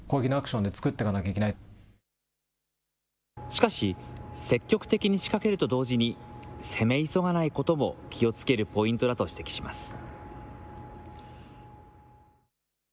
しかし、積極的に仕掛けると同時に、攻め急がないことも気をつけるポイントだと指摘します。